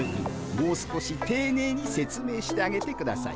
もう少していねいに説明してあげてください。